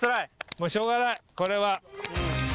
もうしょうがないこれは。